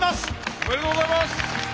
おめでとうございます！